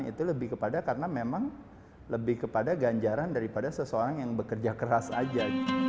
itu lebih kepada karena memang lebih kepada ganjaran daripada seseorang yang bekerja keras saja